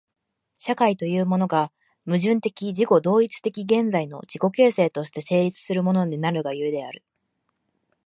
社会というものが、矛盾的自己同一的現在の自己形成として成立するものなるが故である。